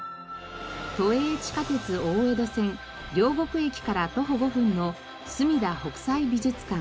都営地下鉄大江戸線両国駅から徒歩５分のすみだ北斎美術館。